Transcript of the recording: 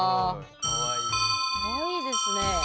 かわいいですね。